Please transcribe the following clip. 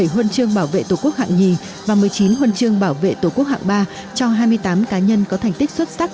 bảy huân chương bảo vệ tổ quốc hạng nhì và một mươi chín huân chương bảo vệ tổ quốc hạng ba cho hai mươi tám cá nhân có thành tích xuất sắc